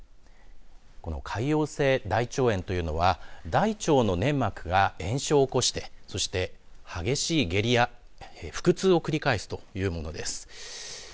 この潰瘍性大腸炎というのは大腸の粘膜が炎症を起こして、そして激しい下痢や腹痛を繰り返すというものです。